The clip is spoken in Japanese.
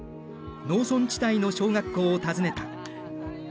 農村地帯の小学校を訪ねた。